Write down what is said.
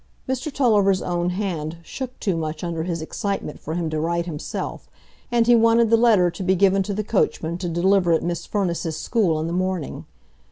Mr Tulliver's own hand shook too much under his excitement for him to write himself, and he wanted the letter to be given to the coachman to deliver at Miss Firniss's school in the morning.